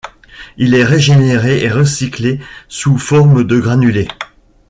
Il est régénéré et recyclé sous forme de granulés.